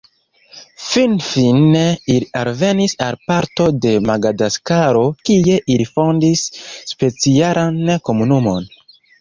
Finfine ili alvenis al parto de Madagaskaro kie ili fondis specialan komunumon.